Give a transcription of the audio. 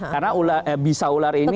karena ular eh bisa ular ini